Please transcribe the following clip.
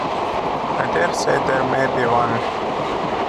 I dare say there may be one.